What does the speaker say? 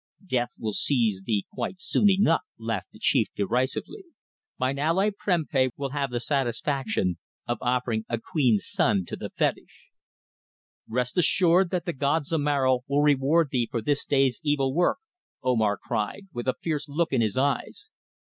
"Death will seize thee quite soon enough," laughed the chief derisively. "Mine ally Prempeh will have the satisfaction of offering a queen's son to the fetish." "Rest assured that the god Zomara will reward thee for this day's evil work," Omar cried, with a fierce look in his eyes.